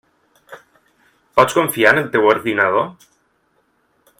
Pots confiar en el teu ordinador?